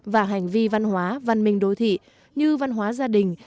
và hành vi văn hóa văn minh đô thị như văn hóa gia đình